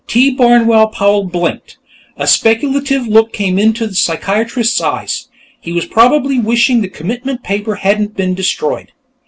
T. Barnwell Powell blinked. A speculative look came into the psychiatrist's eyes; he was probably wishing the commitment paper hadn't been destroyed.